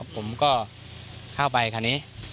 ผมก็เข้าไปคราวนี้